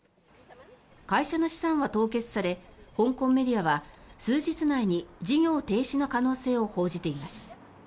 会社の資産は凍結され香港メディアは数日内に事業停止の可能性を報じています。